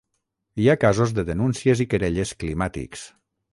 Hi ha casos de denúncies i querelles climàtics.